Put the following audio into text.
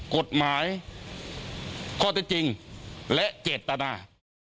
กฎหมายข้อเท็จจริงและเจตนา